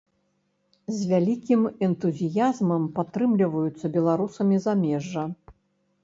З вялікім энтузіязмам падтрымліваюцца беларусамі замежжа.